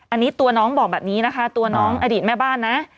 อันนี้ตัวน้องบอกแบบนี้นะคะตัวน้องอดีตแม่บ้านนะ